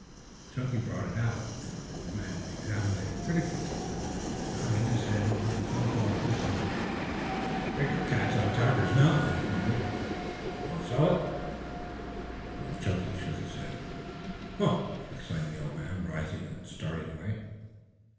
Chunky brought it out, the old man examining it critically, nodding his head over some thought of his own. "Bigger cats on Tacker's mountain," he grunted. "Want to sell it?" Chunky shook his head. "Huh!" exclaimed the old man, rising and starting away.